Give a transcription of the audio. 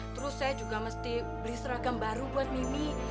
terus saya juga mesti beli seragam baru buat mimi